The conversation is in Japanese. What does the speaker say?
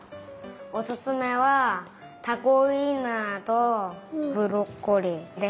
おすすめはたこウインナーとブロッコリーです。